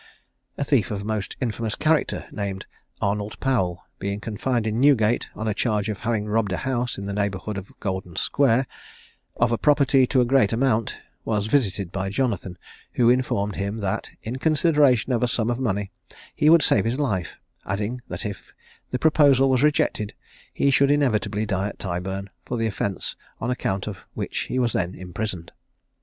A thief of most infamous character, named Arnold Powel, being confined in Newgate, on a charge of having robbed a house in the neighbourhood of Golden Square of property to a great amount, was visited by Jonathan, who informed him that, in consideration of a sum of money, he would save his life; adding that if the proposal was rejected, he should inevitably die at Tyburn for the offence on account of which he was then imprisoned.